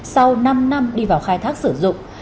sau năm năm đi vào khai thác sử dụng